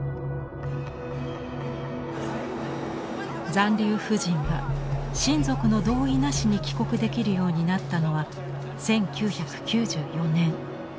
残留婦人が親族の同意なしに帰国できるようになったのは１９９４年。